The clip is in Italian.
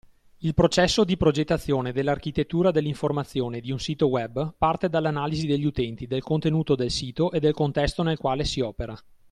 Il processo di progettazione dell’architettura dell’informazione di un sito web parte dall’analisi degli utenti, del contenuto del sito e del contesto nel quale si opera.